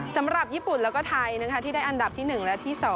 สำหรับญี่ปุ่นแล้วก็ไทยที่ได้อันดับที่๑และที่๒